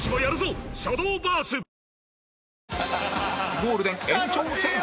ゴールデン延長戦